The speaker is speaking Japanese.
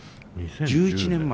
１１年前。